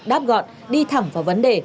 đáp gọn đi thẳng vào vấn đề